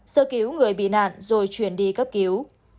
sơ cứu người bị nạn rồi chuyển đi cấp cứu